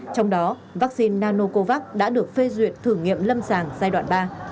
trong đó vaccine nanocovax đã được phê duyệt thử nghiệm lâm sàng giai đoạn ba